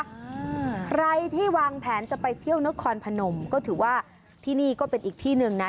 อ่าใครที่วางแผนจะไปเที่ยวนครพนมก็ถือว่าที่นี่ก็เป็นอีกที่หนึ่งนะ